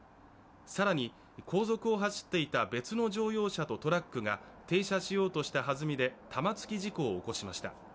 更に後続を走っていた別の乗用車とトラックが停車しようとした弾みで玉突き事故を起こしました。